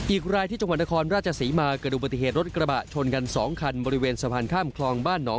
อีกรายที่ช่วงพันธครรมราชสีมากระบะชนกันสองคันบริเวณสะพานข้ามคลองบ้านนี้